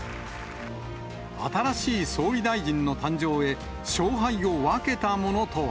新しい総理大臣の誕生へ、勝敗を分けたものとは。